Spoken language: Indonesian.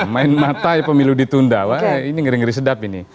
main mata ya pemilu ditunda wah ini ngeri ngeri sedap ini